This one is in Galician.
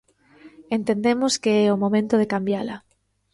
Entendemos que é o momento de cambiala.